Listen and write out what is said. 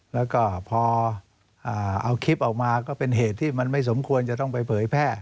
แล้วก็พอเอาคลิปออกมาก็เป็นเหตุที่มันไม่สมควรจะต้องไปเผยแพร่